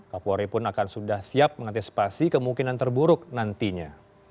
kapolri pun akan sudah siap mengantisipasi kemungkinan terburuk nantinya